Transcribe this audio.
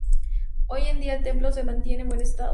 Hoy en día el templo se mantiene en buen estado.